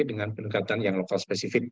dengan pendekatan yang lokal spesifik